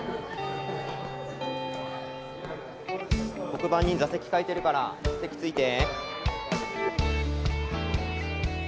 黒板に座席書いてるから席着いて。